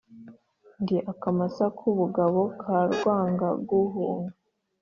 ndi akamasa k’ubugabo ka Rwangaguhunga